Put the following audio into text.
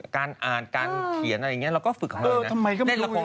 การอ่านการเขียนอะไรอย่างเงี้ยเราก็ฝึกเขาเลยนะทำไมก็ไม่รู้